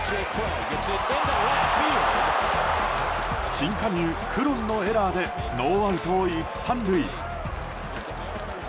新加入クロンのエラーでノーアウト１、３塁。